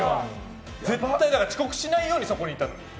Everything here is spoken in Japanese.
絶対遅刻しないようにそこにいたの。